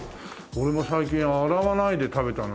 俺も最近洗わないで食べたのはなんだろう？